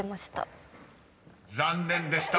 ［残念でした。